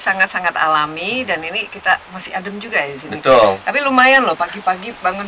sangat sangat alami dan ini kita masih adem juga ya di sini betul tapi lumayan loh pagi pagi bangun